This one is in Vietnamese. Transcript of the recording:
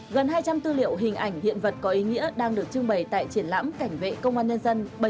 gần hai trăm linh tư liệu hình ảnh hiện vật có ý nghĩa đang được trưng bày tại triển lãm cảnh vệ công an nhân dân